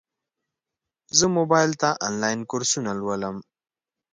زه موبایل ته انلاین کورسونه لولم.